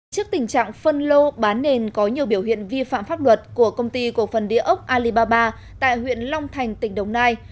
trước tình trạng phân lô bán nền có nhiều biểu hiện vi phạm pháp luật của công ty cổ phần địa ốc alibaba tại huyện long thành tỉnh đồng nai